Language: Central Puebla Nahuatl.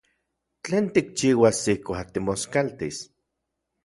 ¿Tlen tikchiuas ijkuak timoskaltis?